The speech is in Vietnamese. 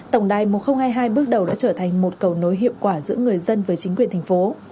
tổng đài một nghìn hai mươi hai bước đầu đã trở thành một cầu nối hiệu quả giữa người dân với chính quyền thành phố